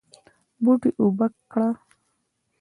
بوټي اوبه کړه